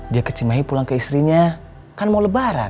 dia ke cimahi pulang ke istrinya kan mau lebaran